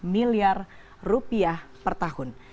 milyar rupiah per tahun